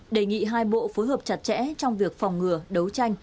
đề nghị hai bộ phối hợp chặt chẽ trong việc phòng ngừa đấu tranh